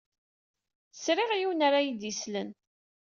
Sriɣ yiwen ara yi-d-isselen.